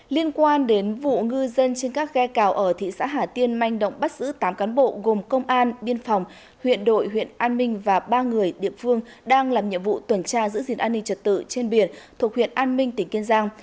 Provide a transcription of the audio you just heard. liên quan đến vụ ngư dân trên các ghe cào ở thị xã hà tiên manh động bắt giữ tám cán bộ gồm công an biên phòng huyện đội huyện an minh và ba người địa phương đang làm nhiệm vụ tuần tra giữ gìn an ninh trật tự trên biển thuộc huyện an minh tỉnh kiên giang